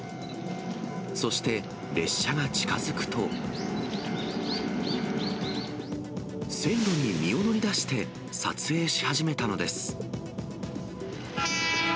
そして、列車が近づくと、線路に身を乗り出して撮影し始めたのです。